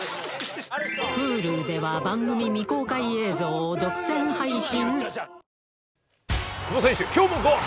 Ｈｕｌｕでは番組未公開映像を独占配信